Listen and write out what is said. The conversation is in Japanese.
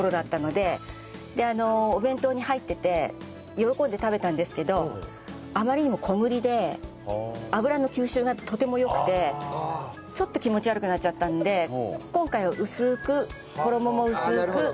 であのお弁当に入ってて喜んで食べたんですけどあまりにも小ぶりで油の吸収がとても良くてちょっと気持ち悪くなっちゃったんで今回は薄く衣も薄く１８０度で２分くらい。